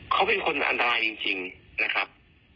เขาเป็นคนอันตรายจริงนะครับ